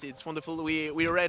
di dalam ini ini menarik